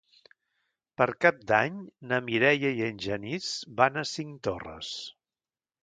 Per Cap d'Any na Mireia i en Genís van a Cinctorres.